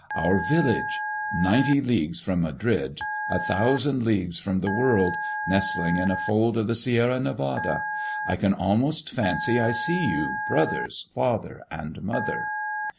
Our village! Ninety leagues from Madrid, a thousand leagues from the world, nestling in a fold of the Sierra Nevada! I can almost fancy I see you, brothers, father, and mother!